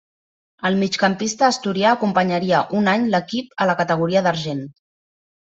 El migcampista asturià acompanyaria un any l'equip a la categoria d'argent.